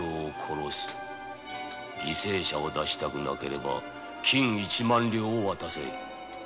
犠牲者を出したくなければ金１万両を渡せ。